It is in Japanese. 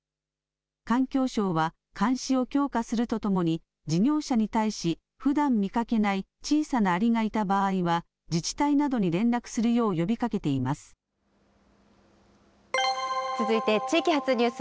環境省は監視を強化するとともに、事業者に対し、ふだん見かけない小さなアリがいた場合は、自治体などに連絡する続いて、地域発ニュース。